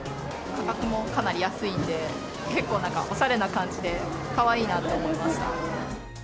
価格もかなり安いんで、結構、なんかおしゃれな感じで、かわいいなと思いました。